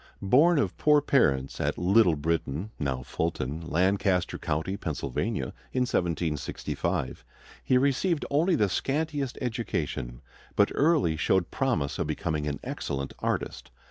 Born of poor parents at Little Britain, now Fulton, Lancaster County, Pennsylvania, in 1765, he received only the scantiest education; but early showed promise of becoming an excellent artist.